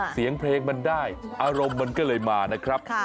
เสียงเพลงมันได้อารมณ์มันก็เลยมานะครับ